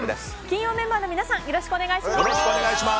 金曜メンバーの皆さんよろしくお願いします。